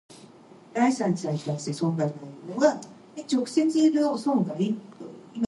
The unincorporated community of Chittamo is located in the town.